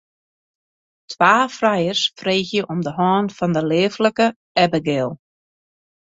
Twa frijers freegje om de hân fan de leaflike Abigail.